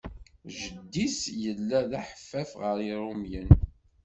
Jeddi-s yella d aḥeffaf ɣer Iṛumiyen.